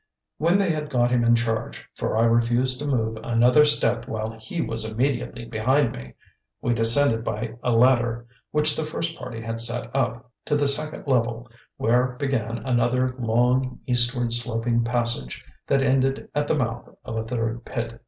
When they had got him in charge, for I refused to move another step while he was immediately behind me, we descended by a ladder which the first party had set up, to the second level, where began another long, eastward sloping passage that ended at the mouth of a third pit.